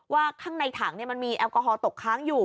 ว่าข้างในถังมันมีแอลกอฮอลตกค้างอยู่